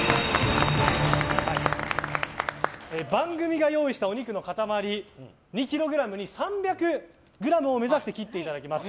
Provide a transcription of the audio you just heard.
番組が用意したお肉の塊２ｋｇに３００ｇを目指して切っていただきます。